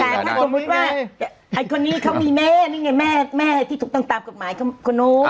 แต่ถ้าสมมุติว่าไอ้คนนี้เขามีแม่นี่ไงแม่แม่ที่ถูกต้องตามกฎหมายคนนู้น